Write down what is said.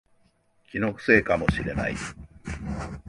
気のせいかもしれない